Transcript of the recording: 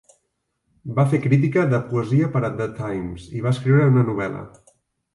Va fer crítica de poesia per a "The Times" i va escriure una novel·la.